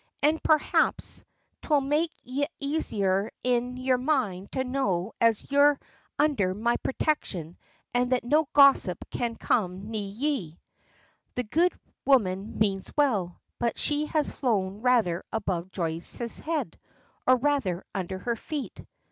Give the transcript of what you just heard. An' perhaps 'twill make ye aisier in yer mind to know as your undher my protection, and that no gossip can come nigh ye." The good woman means well, but she has flown rather above Joyce's head, or rather under her feet.